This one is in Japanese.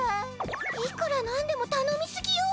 いくら何でもたのみすぎよ。